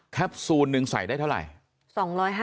แคปซูล๑ใส่ได้เท่าไหร่